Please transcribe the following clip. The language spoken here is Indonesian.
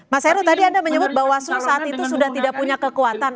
mas heru tadi anda menyebut bawaslu saat itu sudah tidak punya kekuatan